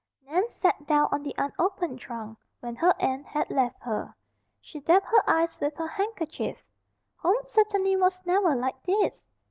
Nan sat down on the unopened trunk when her aunt had left her. She dabbed her eyes with her handkerchief. Home certainly was never like this!